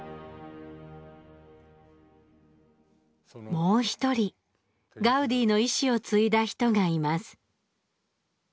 もう一人ガウディの遺志を継いだ人がいます。